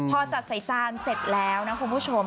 พอจัดใส่จานเสร็จแล้วนะคุณผู้ชม